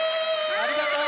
ありがとう！